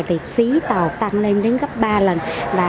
thì phí tàu tăng lên đến gấp ba lần